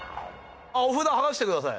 お札剥がしてください。